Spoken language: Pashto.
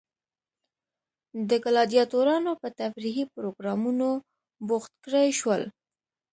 د ګلادیاتورانو په تفریحي پروګرامونو بوخت کړای شول.